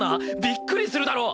びっくりするだろ！